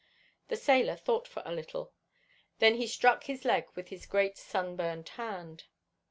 The sailor thought for a little. Then he struck his leg with his great, sun burned hand.